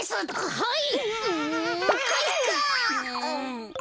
はい！